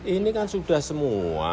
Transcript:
ini kan sudah semua